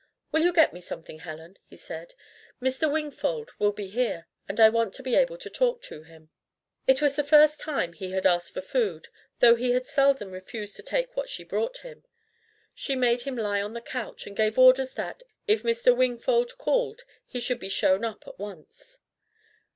"Will you get me something, Helen," he said. "Mr. Wingfold will be here, and I want to be able to talk to him." It was the first time he had asked for food, though he had seldom refused to take what she brought him. She made him lie on the couch, and gave orders that, if Mr. Wingfold called, he should be shown up at once.